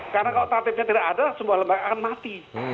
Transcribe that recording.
karena kalau tatibnya tidak ada semua lembaga akan mati